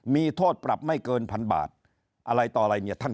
มีโทษปรับไม่เกินพันบาทอะไรต่ออะไรเนี่ยท่าน